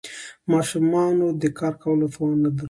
ماشومانو د کار کولو توان نه درلود.